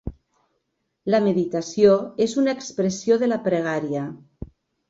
La meditació és una expressió de la pregària.